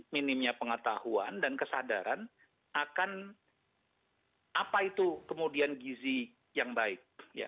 minimnya pengetahuan dan kesadaran akan apa itu kemudian gizi yang baik